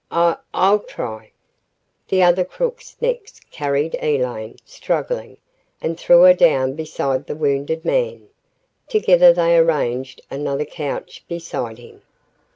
"I I'll try!" The other crooks next carried Elaine, struggling, and threw her down beside the wounded man. Together they arranged another couch beside him.